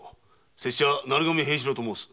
拙者鳴神平四郎と申す。